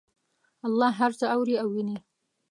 الله هر څه اوري او ویني